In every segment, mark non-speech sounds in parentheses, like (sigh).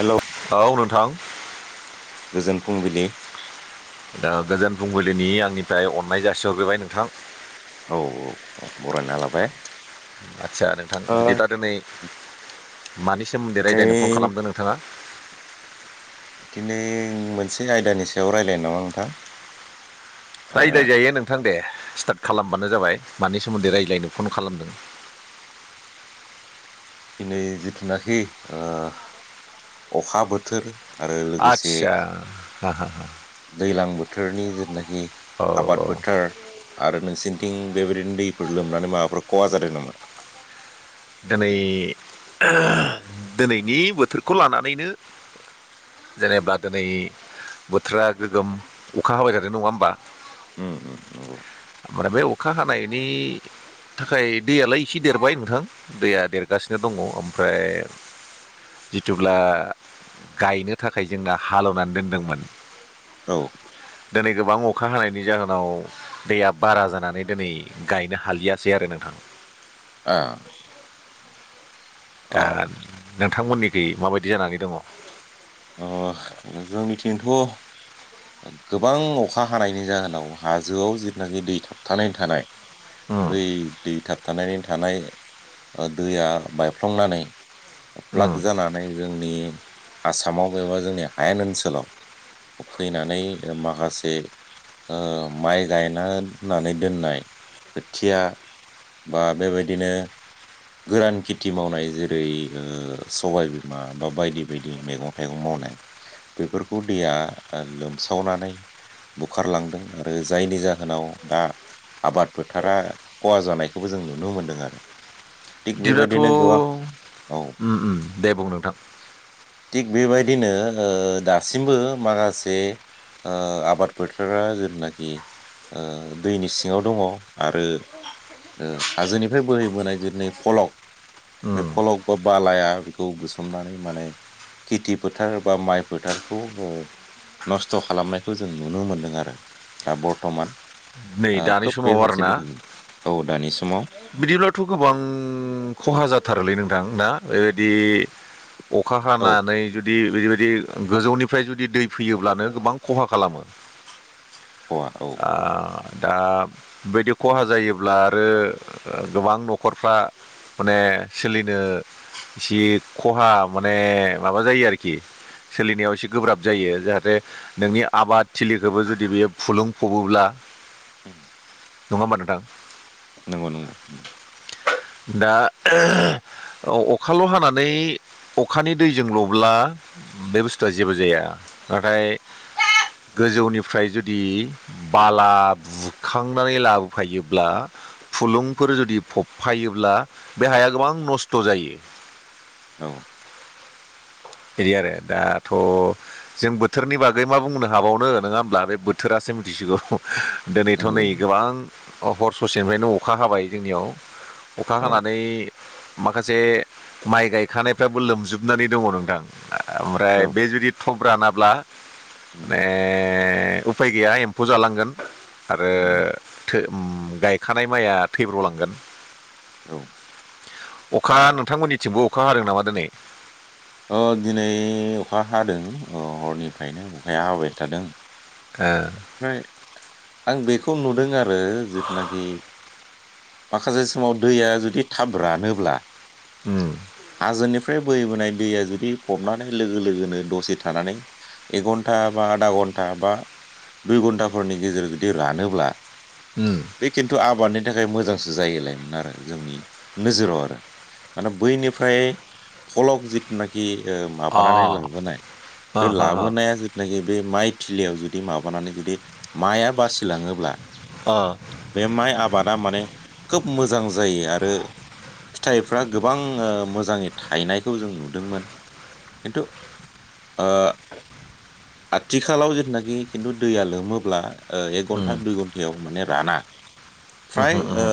Hello. औ नोंथां। गोजोन फुंबिलि। दा गोजोन फुंबिलिनि आंनिफ्राय अननाय जासिहरग्रोबाय नोंथां। औ औ औ बरायना लाबाय। आतसा नोंथां ओ बिदिब्ला दिनै। मानि सोमोन्दै दिनै रायज्लायनो फन खालामदों नोंथांङा। दिनै मोनसे आयदानि सायाव रायज्लायनो नामा नोंथां। ओ रायज्लाय जायो नोंथां दे स्टार्ट खालामबानो जाबाय। मानि सोमोन्दै रायज्लायनो फन खालामदों। दिनै जिथुनाखि अखा बोथोर। आरो लोगोसे आदसा दैज्लां बोथोर। बोथोरनि जेनाखि औ आबाद औ फोथार। आरो नोंसोरनिथिं बेबायदिनो दैफोर लोमनानै माबाफोर खहा जादों नामा। दिनै दिनैनि बोथोरखौ लानानैनो। जेनेबा दिनै बोथोरा गोगोम अखा हाबाय थादों नङा होमबा। उम उम नंगौ। (inaudible) बाय अखा हानायनि थाखाय दैयालाय इसे देरबाय नोंथां दैया देरगासिनो दङ ओमफ्राय जिथुब्ला गायनो थाखाय जोंना हालेवनानै दोनदोंमोन औ दिनै गोबां अ'खा हानायनि जाहोनाव दैया बारा जानानै दिनै गायनो हालियासै आरो नोंथां। आ अ दा नोंथां मोननिगैय माबायदि जानानै दङ? आं जोंनिथिं थ' गोबां अ'खा हानायनि जाहोनाव हाजोआव जिथुनाखि दै थाबथानानै थानाय। उम बै दै थाब थानायनि थानाय दैया बायफ्लंनानै उम प्लाक जानानै जों जोंनि आसामाव एबा जोंनि हायेन ओनसोलाव पबफैनानै माखासे ओ माइ गायना होननानै दोननाय खोथिया बा बेबायदिनो। गोरान खेथि मावनाय जेरै' सबायबिमा बा बायदि बायदि मैगं मैगं मावनाय बेफोरखौ दैया लोमसावनानै। बुखारलांदों आरो जायनि जाहोनाव दा आबाद फोथारा खहा जानायखौबो। जों नुनो मोन्दों आरो। थिग (inaudible) बेबायदिनो गोबां औ थ'ओम-ओम दे बुं नोंथां? थिग बेबायदि नो दासिमबो माखासे आबाद फोथोरा जेतुनाखि ओ दैनि सिङाव दङ' आरो ओ हाजोनिफ्राय बोहैबोनाय जतु (inaudible) फलक बे उम फलक बा बालाया बेखौ बुसोमनानै माने खेथि फोथार बा माइ फोथारखौ ओ नस्थ' खालामनायखौ जों नुनो मोनदों आरो दा बर्थमान। नै दानि खोब बे समाव आरोना (inaudible) औ दानि समाव बिदिब्लाथ' गोबां खहा जाथारोलै नोंथां ना? बेबायदि अ'खा औ हानानै जुदि' बेबायदि गोजौनिफ्राय जुदि दै फैयोब्लानो गोबां ख'हा खालामो। अआ औ औ ओ दा बेबायदि खहा जायोब्ला आरो गोबां न'खरफ्रा। माने सोलिनो इसे खहा माने माबा जायो आरोखि। सोलिनायाव एसे गोब्राब जायो जाहाथे नोंनि आबाद थिलिखौबो जुदि बेयो फुलुं फबोब्ला (inaudible) नङ होमबा नोंथां? नंगौ नंगौ दा औ अखाल' हानानै अखानि दैजोंल'ब्ला बे बुस्थुआ जेबो जाया नाथाय गोजौनिफ्राय जुदि बाला बुखांनानै लाबोफायोब्ला फुलुंफोर जुदि फबफायोब्ला बे हाया गोबां नस्थ' जायो। औ बे आरो दाथ' जों बोथोरनि बागै मा बुंनो हाबावनो नङा होमब्ला बे बोथोरासो मिथिसिगौ। दिनैथ' नंगौ नै गोबां हर ससेनिफ्रायनो अखा हाबाय जोंनियाव अ'खा औ हानानै माखासे माइ गायखानायफ्राबो लोमजोबनानै दङ नोंथां। ओमफ्राय औ बे जुदि थब रानाब्ला माने उफाय गैया एम्फौ जालांगोन आरो औ थो ओम गायखानाय माइया थैब्र'लांगोन। औ अखा नंगौ नोंथांमोननिथिंबो अखा हादों नामा दिनै अ दिनै अखा हादों हरनिफ्रायनो अखाया हाबाय थादों। ओ ओमफ्राय आं बेखौ नुदों आरो जिथुनाखि माखासे समाव दैया जुदि थाब रानोब्ला उम ओमफ्राय बैहैबोनाय दैया जुदि फबनानै लोगो लोगोनो दसे थानानै एक घन्टा बा आधा घन्टा बा दुइ घन्टाफोरनि गेजेराव जुदि रानोब्ला उम बे खिन्थु आबादनि थाखाय मोजांसो जायोलामोन आरो जोंनि नोजोराव आरो मानो बैनिफ्राय फलक जि जिथुनाखि ओ अ माबानानै लाबोनाय ओ बे हो हो लाबोनाया जिथुनाखि बे माइ थिलियाव जुदि माबानानै जुदि माइआ बासिलाङोब्ला ओ बे माइ आबादा माने खोब मोजां जायो आरो। फिथाइफ्रा गोबां ओ मोजाङै थाहनायखौ जों नु दोंमोन खिथु ओ (unintelligible) आथिखालाव जिथुनाखि खिन्थु दैया लोमोब्ला ओ एक उम घन्टा दुइ घन्टायाव माने राना फ्राय उमहो ओ उमहो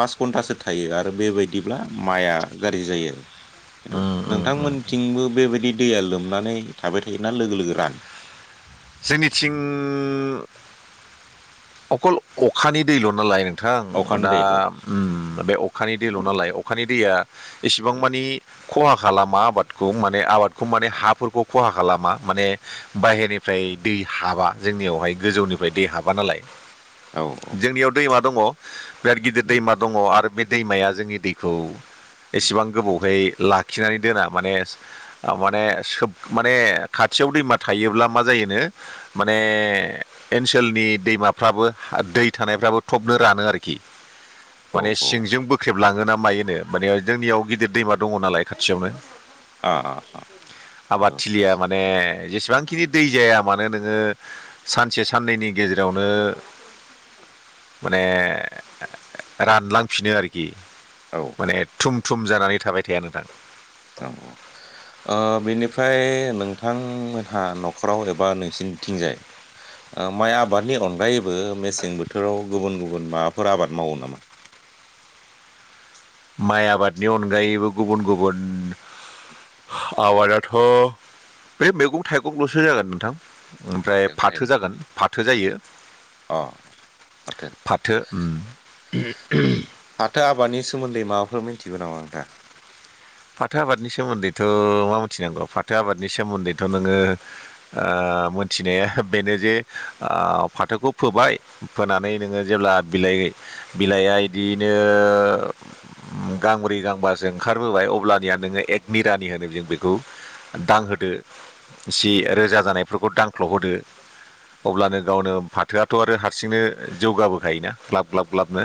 पास घन्टासो थायो आरो बेबायदिब्ला माइआ गाज्रि जायो खिन्थु उम उम उम नोंथांमोनथिंबो बेबायदि दैया लोमनानै थाबाय थायोना लोगो लोगो रानो। जोंनिथिं अखल अखानि दै ल'नालाय थां अखान्दै औ दाउ बे अखानि दैल' नालाय अखानि दैया इसेबां उम मानि खहा खालामा आबादखौ माने आबादखौ माने हाफोरखौ खहा खालामा माने बाहेरनिफ्राय दै हाबा जोंनियावहाय गोजौनिफ्राय दै हाबा नालाय। औ औ जोंनियाव दैमा दङ बिराद गिदिर उम दैमा दङ आरो बे दैमाया जोंनि दैखौ उम एसेबां गोबावहै लाखिनानै दोना माने माने सोब माने खाथियाव दैमा थायोब्ला मा जायो एवनो माने ओनसोलनि दैमा फ्राबो दै थानायफ्राबो थबनो रानो आरोखि औ माने औ सिंजों बोख्रेब लाङोना मायोनो माने जोंनियाव गिदिर दैमा दङ नालाय खाथियावनो आ आ आ आबाद नंगौ थिलिया माने जेसेबांखिनि दै जाया मानो नोङो सानसे साननैनि गेजेरावनो माने रानलांफिनो आरोखि औ औ माने थुम थुम जानानै थाबाय थाया नोंथां ओ बेनिफ्राय नों थां मोनहा न'खराव एबा नोंसिनिथिंजाय माइ आबादनि अनगायै बो मेसें बोथोराव गुबुन गुबुन माबाफोर आबाद मावो नामा? माइ आबादनि अनगायैबो गुबुन गुबुन आबादाथ' बे मैगं-थाइगंल'सो जागोन नोंथां ओमफ्राय मैगं फाथो थाइगं जागोन फाथो जायो। अ फाथो फाथो आबादनि सोमोन्दै माबाफोर मिथिगौ नामा नोंथाङा फाथो आबादनि सोमोन्दैथ' मा मिथिनांगौ फाथो आबादनि सोमोन्दैथ' नोङो ओ ओ मिथिनाया बेनो जे ओ फाथोखौ फोबाय फोनानै नोङो जेब्ला बिलाइ ओय बिलाइआ इदिनो गांब्रै गांबासो ओंखारबोबाय अ ब्लानिया नोङो एक मिरानि होनो जों बेखौ दांहोदो सि रोजा जानायफोरखौ दांख्ल' होदो अब्लानो गावनो फाथोआथ' आरो हारसिंनो जौगाबोखायोना ग्लाब ग्लाब ग्लाबनो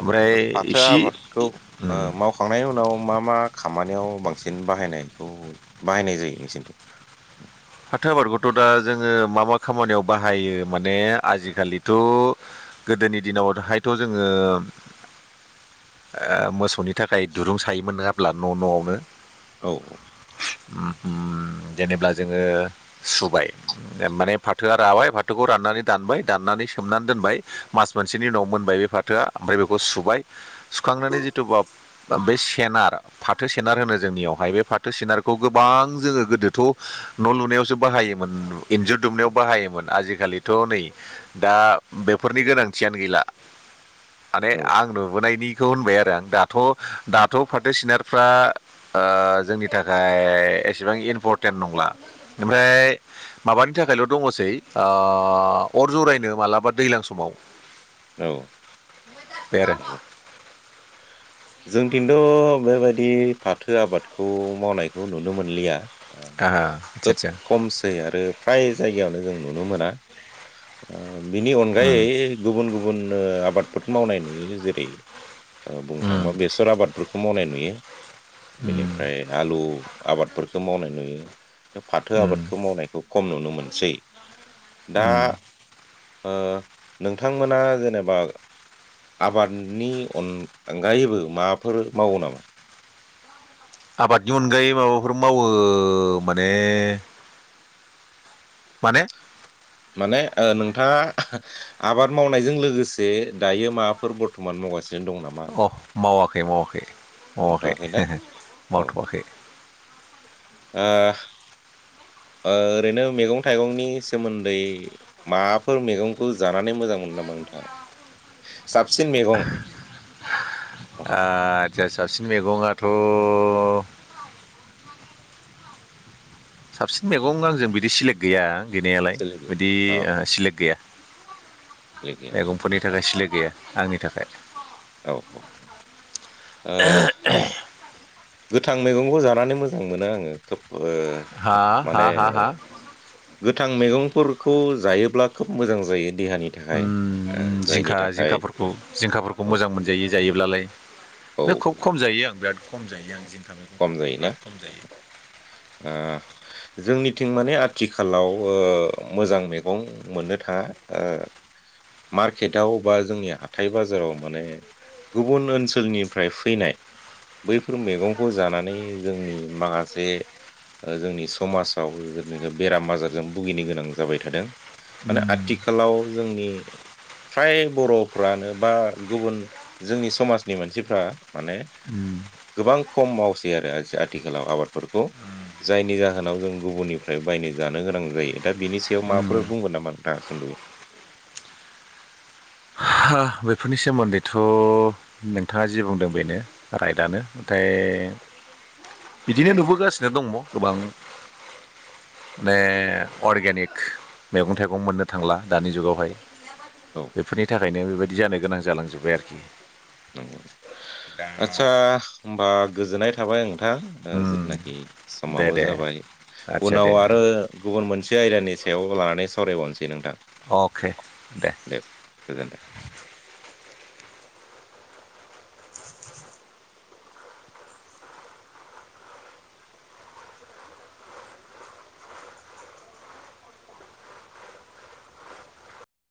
ओमफ्राय फाथो इसे आबादखौ ओ उम मावखांनायनि उनाव मा मा खामानियाव बांसिन बाहायनायखौ बाहायनाय जायो नोंसोरनिथिं फाथो आबादखौथ' दा जोङो मा मा खामानियाव बाहायो माने आजिखालिथ' गोदो गोदोनि दिनावहायथ' जोङो (inaudible) ओ मोसौनि थाखाय दुरुं सायोमोन नङाब्ला न' न'आवनो औ उम उम जेनेबब्ला जों जोङो सुबाय माने फाथोआ राबाय फाथोखौ राननानै दानबाय दाननानै सोमनानै दोन बाय मास मोनसेनि उनाव मोनबाय बे फाथोआ ओमफ्राय बेखौ सुबाय सुखांनानै जिथु बा बै सेनार फाथो सेनार होनो जोंनियावहाय बे फाथो सेनारखौ गोबां जोङो गोदोथ' न' लुनायावसो बाहायोमोन इन्जुर दुमनायाव बाहायोमोन आजिखालिथ' नै दा बेफोरनि गोनांथियानो गैला (inaudible) माने आं नुबोनायनिखौ होनबाय आरो आं दाथ' दाथ' फाथो सिनारफ्रा ओ जोंनि थाखाय एसेबां इमपर्ट तेन नंला ओमफ्राय माबानि थाखायल' दङसै ओ अर जरायनो मालाबा दैज्लां समाव औ बे आरो जोंनिथिंथ' बेबायदि फाथो आबादखौ मावनायखौ नुनो मोनलिया ओ खोब आदसा आदसा खमसै आरो फ्राय जायगायावनो जों नुनो मोना ओ बिनि अनगायै उम गुबुन गुबुन गुबुननो आबादफोर मावनाय नुयो जेरै ओ बुंनो उम थाङोबा बेसर आबादफोरखौबो मावनाय नुयो उम बेनिफ्राय आलु आबादफोरखौ मावनाय नुयो फाथो उम आबादखौ मावनायखौ खम नुनो मोनसै दा उम ओ नोंथांमोना जेनेबा आबादनि अन अनगायैबो माबाफोर मावो नामा आबादनि अनगायै माबाफोर मावो माने माने माने ओ नोंथाङा आबाद मावनायजों लोगोसे दायो माबाफोर बर्थ'मान मावगासिनो दं नामा होनना ए मावाखै मावाखै औ मावथ'वाखै ओ ओ ओरैनो मैगं थाइगंनि सोमोन्दै माबाफोर मैगंखौ जानानै मोजां मोनो नामा नों थाङा साबसिन मैगं आदसा साबसिन मैगङाथ' साबसिन मैगं आंजों बिदि सिलेक्ट गैया गैनायालाय सोलियो बिदि अ सिलेक्ट गैया सोलियो मैगंफोरनि थाखाय सिलेक गैया आंनि थाखाय औ औ ओ गोथां मैगंखौ जानानै मोजां मोनो आङो खोब ओ हा हा माने हा हा गोथां मैगंफोर खौ जायोब्ला खोब मोजां जायो देहानि थाखाय ओ उम जायनि जिंखा थाखाय जिंखाफोरखौ जिंखाफोरखौ औ मोजां मोनजायो जायोब्लालाय औ नों खुब खम जायो आं बिराद खम जायो आं खम मैगंफोरखौबो जायोना बिराद खम जायो ओ जोंनि थिं माने आथिखालाव ओ मोजां मैगं मोननो थाङा मार्केटाव बा जोंनि हाथाय बाजाराव माने गुबुन ओनसोलनिफ्राय फैनाय बैफोर मैगं खौ जानानै जोंनि माखासे जोंनि समाजाव बेराम आजारजों भुगिनो गोनां जाबाय थादों माने उम आथिखालाव जोंनि फ्राय बर'फ्रानो बा गुबुन जोंनि समाजनि मानसिफ्रा माने उम गोबां खम मावसै आरो आथिखालाव आबादफोरखौ जायनि जाहोनाव जों गुबुननिफ्राय बायनो जानो गोनां जायो दा बिनि सायाव माफोर उम बुंगोन नामा नोंथाङा सुद'यै हागौ बेफोरनि सोमोन्दैथ' नोंथाङा जि बुंदों बेनो राइटआनो नाथाय बिदिनो नुबोगासिनो दङ गोबां माने अर्गेनिक मैगं थाइगं मोननो थांला दानि जुगावहाय औ बेफोरनि थाखायनो बेबायदि जानो गोनां जालांजोबबाय आरोखि गौ आदसा होमबा गोजोननाय थाबाय ओं उम, जिथुनाखि दे समाबो दे जाबाय आदसा दे उनाव आरो गुबुन मोनसे ए आयदानि सायाव लानानै सावरायबावनोसै नोंथां अके दे गोजोन्थों